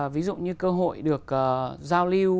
ví dụ như cơ hội được giao lưu